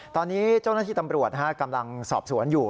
ตอนนี้เจ้าหน้าที่ตำรวจกำลังสอบสวนอยู่